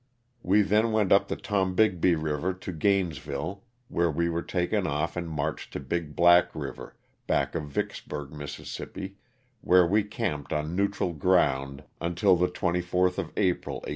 We then went up the Tombigbee river to Gainesville, where we were taken off and marched to Big Black river, back of Vicksburg, Miss>, where we camped on neutral ground until the 24th of April, 1865.